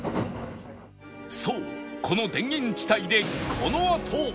そうこの田園地帯でこのあと